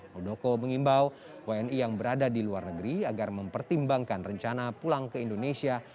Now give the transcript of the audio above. muldoko mengimbau wni yang berada di luar negeri agar mempertimbangkan rencana pulang ke indonesia